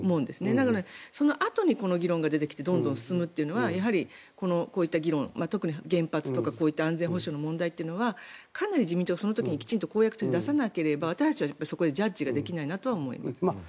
なので、そのあとにこの議論が出てきてどんどん進むというのはやはりこういった議論特に原発とかこういった安全保障の問題というのはかなり自民党がきちんと公約として出さなければ私たちはジャッジができないなと思います。